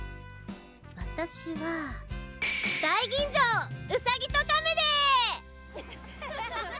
私は大吟醸「うさぎとかめ」で！